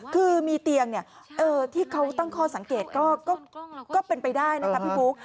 คือมีเตียงที่เขาตั้งข้อสังเกตก็เป็นไปได้นะครับพี่บุ๊ค